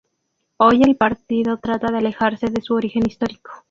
Hoy el partido trata de alejarse de su origen histórico.